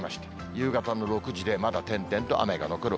夕方の６時で、まだ点々と雨が残る。